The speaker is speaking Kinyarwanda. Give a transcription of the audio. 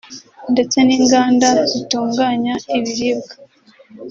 ndetse n’inganda zitunganya ibiribwa